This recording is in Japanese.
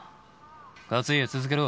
勝家続けろ。